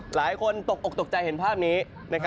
หลายคนตกออกตกใจเห็นภาพนี้